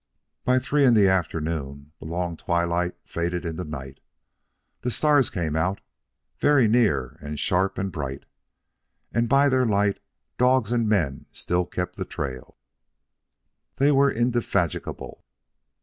By three in the afternoon the long twilight faded into night. The stars came out, very near and sharp and bright, and by their light dogs and men still kept the trail. They were indefatigable.